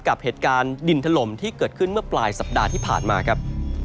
กับเหตุการณ์ดินถล่มที่เกิดขึ้นเมื่อปลายสัปดาห์ที่ผ่านมาครับ